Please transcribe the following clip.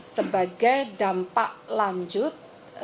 sebagai dampak lanjut